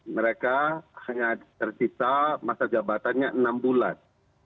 mereka hanya tercipta masa jabatannya enam bulan